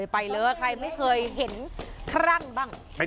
ไปเลยไครไมค่อยเห็นคร่างบ้าง